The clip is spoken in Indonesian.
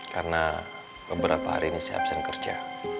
karena beberapa hari ini siap siap kerja